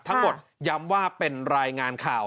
ย้ำว่าเป็นรายงานข่าว